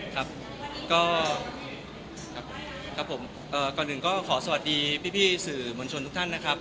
ครับก็ครับผมก่อนอื่นก็ขอสวัสดีพี่สื่อมวลชนทุกท่านนะครับ